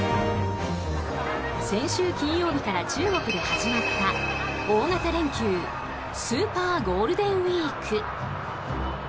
先週金曜日から中国で始まった大型連休スーパーゴールデンウィーク。